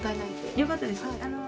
よかったです。